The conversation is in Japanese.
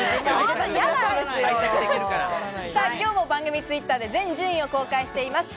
今日も番組Ｔｗｉｔｔｅｒで全順位を公開しています。